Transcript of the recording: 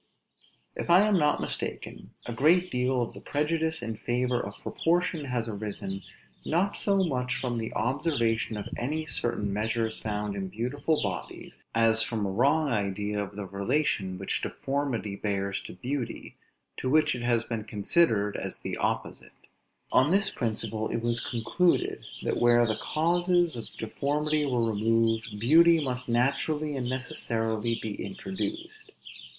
If I am not mistaken, a great deal of the prejudice in favor of proportion has arisen, not so much from the observation of any certain measures found in beautiful bodies, as from a wrong idea of the relation which deformity bears to beauty, to which it has been considered as the opposite; on this principle it was concluded that where the causes of deformity were removed, beauty must naturally and necessarily be introduced.